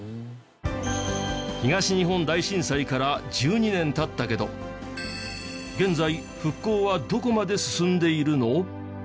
東日本大震災から１２年経ったけど現在復興はどこまで進んでいるの？